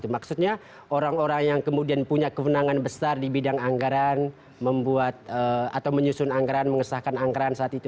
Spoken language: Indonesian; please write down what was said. maksudnya orang orang yang kemudian punya kewenangan besar di bidang anggaran membuat atau menyusun anggaran mengesahkan anggaran saat itu